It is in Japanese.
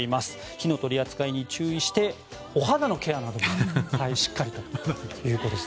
火の取り扱いに注意してお肌のケアなどもしっかりとということです。